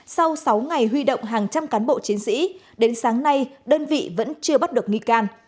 sau sáu ngày huy động hàng trăm cán bộ chiến sĩ đến sáng nay đơn vị vẫn chưa bắt được nghi can